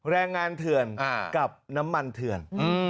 แรงงานเถื่อนกับน้ำมันเถื่อน